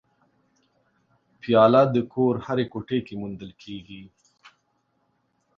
پیاله د کور هرې کوټې کې موندل کېږي.